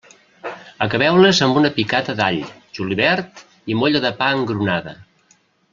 Acabeu-les amb una picada d'all, julivert i molla de pa engrunada.